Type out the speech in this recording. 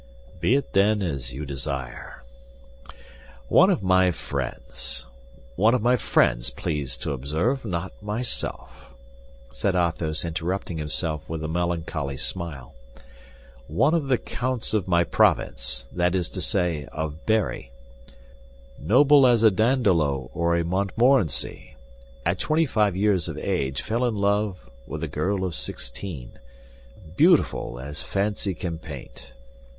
"Be it then as you desire. One of my friends—one of my friends, please to observe, not myself," said Athos, interrupting himself with a melancholy smile, "one of the counts of my province—that is to say, of Berry—noble as a Dandolo or a Montmorency, at twenty five years of age fell in love with a girl of sixteen, beautiful as fancy can paint.